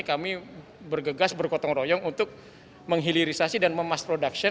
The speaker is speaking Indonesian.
kami bergegas bergotong royong untuk menghilirisasi dan memast production